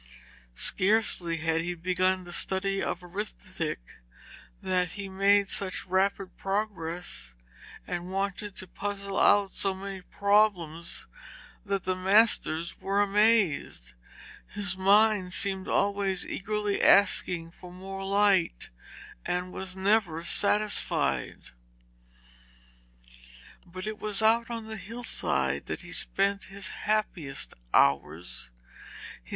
Scarcely had he begun the study of arithmetic than he made such rapid progress, and wanted to puzzle out so many problems, that the masters were amazed. His mind seemed always eagerly asking for more light, and was never satisfied. But it was out on the hillside that he spent his happiest hours.